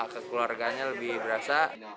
keluarganya lebih berasa